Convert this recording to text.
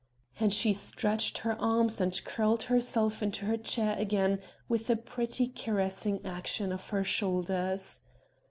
And she stretched her arms and curled herself into her chair again with a pretty caressing action of her shoulders.